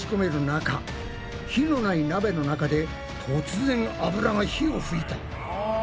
中火のないなべの中で突然油が火を噴いた。